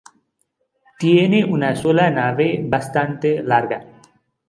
Tiene una sola nave bastante larga.